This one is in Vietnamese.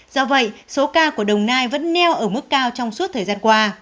do vậy số ca của đồng nai vẫn neo ở mức cao trong suốt thời gian qua